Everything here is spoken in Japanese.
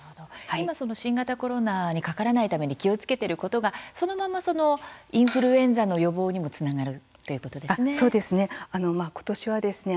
今、新型コロナにかからないために気をつけていることが、そのままインフルエンザの予防にもつながるということですね。